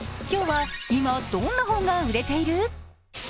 今日は、今どんな本が売れている？